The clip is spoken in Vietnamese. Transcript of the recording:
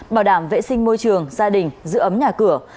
bảo đảm vệ sinh môi trường gia đình giữ ấm nhà cửa